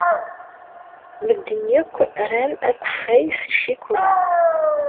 Medden akk ran akeffay s ccikula.